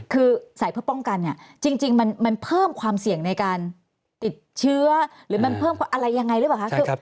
คือใส่เพื่อป้องกันเนี่ยจริงมันเพิ่มความเสี่ยงในการติดเชื้อหรือมันเพิ่มอะไรยังไงหรือเปล่าคะ